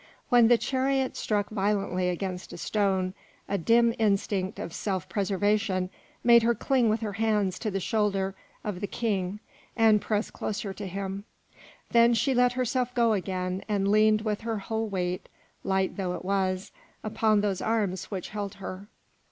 When the chariot struck violently against a stone, a dim instinct of self preservation made her cling with her hands to the shoulder of the King and press closer to him; then she let herself go again and leaned with her whole weight, light though it was, upon those arms which held her.